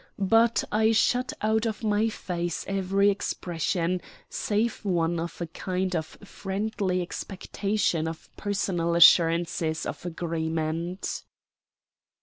But I shut out of my face every expression save one of a kind of friendly expectation of personal assurances of agreement.